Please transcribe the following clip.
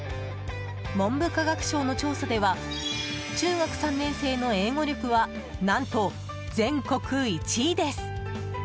文部科学省の調査では中学３年生の英語力は何と全国１位です。